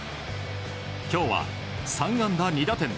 今日は３安打２打点。